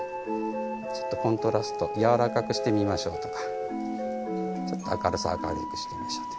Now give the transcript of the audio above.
ちょっとコントラスト柔らかくしてみましょうとかちょっと明るさ明るくしてみましょうと。